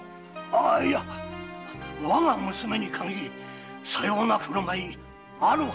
いやわが娘に限りさような振る舞いあるはずございません。